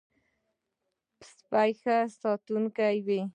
سپي ښه ساتونکی وي.